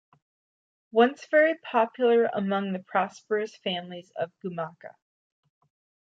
Once very popular among the prosperous families of Gumaca.